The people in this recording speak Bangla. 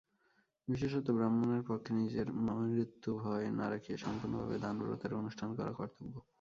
বিশেষত ব্রাহ্মণের পক্ষে নিজের মৃত্যুভয় না রাখিয়া সম্পূর্ণভাবে দানব্রতের অনুষ্ঠান করা কর্তব্য।